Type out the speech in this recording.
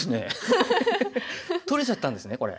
取れちゃったんですねこれ。